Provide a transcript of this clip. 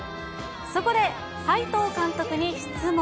そこで齊藤監督に質問。